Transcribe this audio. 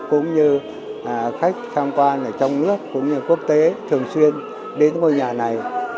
cũng như khách tham quan ở trong nước cũng như quốc tế thường xuyên đến ngôi nhà này